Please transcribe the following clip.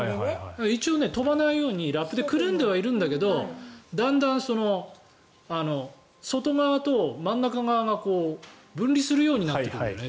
一応、飛ばないようにラップでくるんではいるんだけどだんだん外側と真ん中側が分離するようになってくるのね。